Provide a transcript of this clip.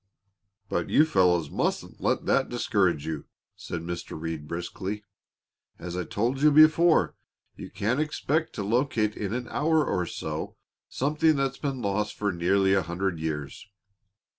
"But you fellows mustn't let that discourage you," said Mr. Reed, briskly. "As I told you before, you can't expect to locate in an hour or so something that's been lost for nearly a hundred years.